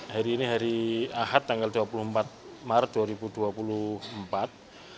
hari ini hari ahad tanggal dua puluh empat maret dua ribu dua puluh empat